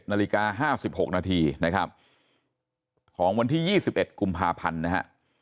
นาฬิกา๕๖นาทีนะครับของวันที่๒๑กุมภาพันธ์นะฮะ